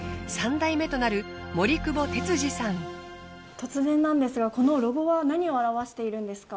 突然なんですがこのロゴは何を表しているんですか？